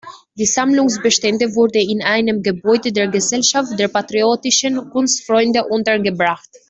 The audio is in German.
Die Sammlungsbestände wurden in einem Gebäude der Gesellschaft der patriotischen Kunstfreunde untergebracht.